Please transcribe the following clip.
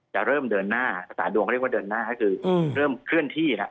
จะเริ่มเดินหน้าภาษาดวงเขาเรียกว่าเดินหน้าก็คือเริ่มเคลื่อนที่แล้ว